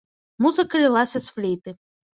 Музыка лілася з флейты.